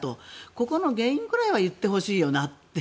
ここの原因くらいは言ってほしいよなって。